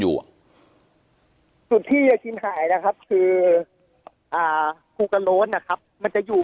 หายจริงหายจริงหายจริงหายจริงหายจริงหายจริงหายจริงหายจริงหายจริง